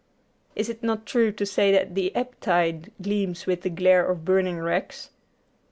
Is it not true to say that the ebb tide gleams with the glare of burning wrecks?